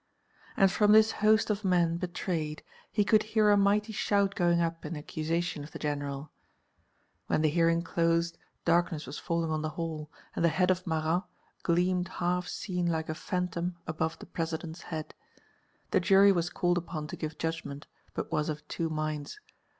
And from this host of men betrayed he could hear a mighty shout going up in accusation of the General. When the hearing closed, darkness was falling on the hall, and the head of Marat gleamed half seen like a phantom above the President's head. The jury was called upon to give judgment, but was of two minds.